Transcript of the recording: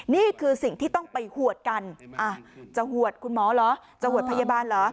นี่คือสิ่งที่ต้องไปหวดกันจะหวดคุณหมอเหรอจะหวดพยาบาลเหรอ